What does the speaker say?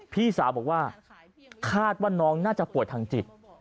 พี่สาวบอกว่าคาดว่าน้องน่าจะป่วยทางจิต